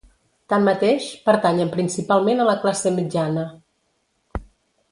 Tanmateix, pertanyen principalment a la classe mitjana.